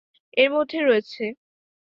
এর মধ্যে রয়েছে